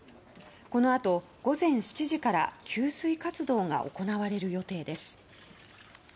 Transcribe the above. このあと午前７時から給水活動が行われる予定です。